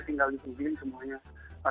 tinggal di tv semuanya